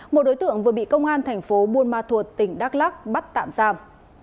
một đối tượng vừa bị công an thành phố buôn ma thuột tỉnh đắk lắc bắt tạm giam